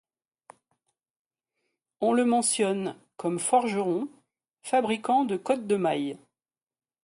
On le mentionne comme forgeron, fabricant de cotte de mailles.